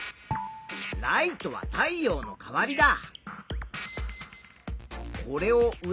ライトは太陽の代わりだ。